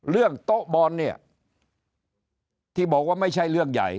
เรื่องโต๊ะบอลเนี่ยที่บอกว่าไม่ใช่เรื่องใหญ่